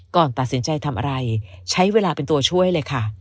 ก่อนตัดสินใจทำอะไรใช้เวลาเป็นตัวช่วยเลยค่ะ